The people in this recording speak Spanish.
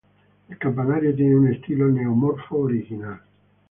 El campanario tiene un estilo neo-morfo original.